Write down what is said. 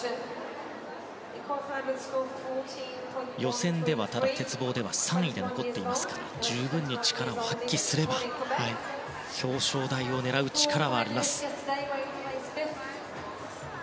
予選では鉄棒では３位で残っていますから十分に力を発揮すれば表彰台を狙う力はあります。